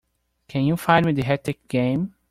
Can you find me the Hectic game?